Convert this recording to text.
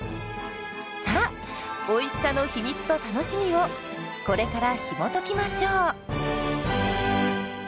さあおいしさの秘密と楽しみをこれからひもときましょう！